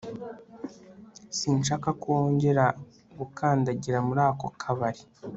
Sinshaka ko wongera gukandagira muri ako kabari